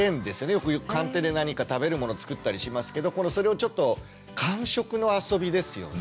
よく寒天で何か食べるもの作ったりしますけどそれをちょっと感触のあそびですよね。